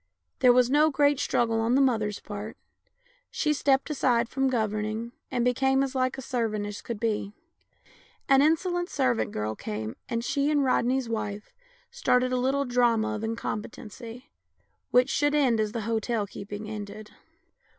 There was no great struggle on the mother's part; she 196 THE LANE THAT HAD NO TURNING stepped aside from governing, and became as like a servant as could be. An insolent servant girl came, and she and Rodney's wife started a little drama of incom petency, which should end as the hotel keeping ended.